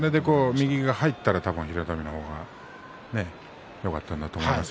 右が入ったら平戸海の方がよかったんだと思います。